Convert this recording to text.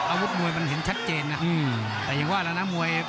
อาวุธมวยมันเห็นชัดเจนนะแต่ยังว่าแล้วนะมวย